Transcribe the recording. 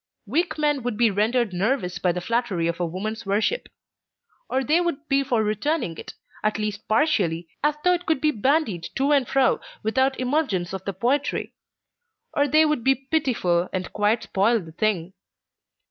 Weak men would be rendered nervous by the flattery of a woman's worship; or they would be for returning it, at least partially, as though it could be bandied to and fro without emulgence of the poetry; or they would be pitiful, and quite spoil the thing.